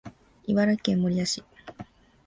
茨城県守谷市